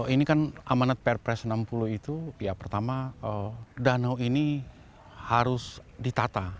ini kan amanat perpres enam puluh itu ya pertama danau ini harus ditata